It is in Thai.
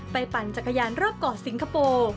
ปั่นจักรยานรอบเกาะสิงคโปร์